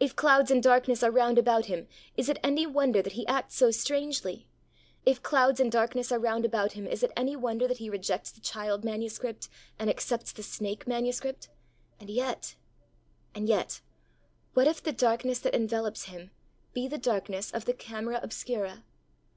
If clouds and darkness are round about Him, is it any wonder that He acts so strangely? If clouds and darkness are round about Him, is it any wonder that He rejects the child manuscript and accepts the snake manuscript? And yet, and yet; what if the darkness that envelops Him be the darkness of the camera obscura?